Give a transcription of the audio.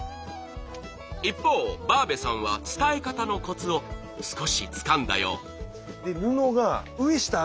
一方バーベさんは伝え方のコツを少しつかんだよう。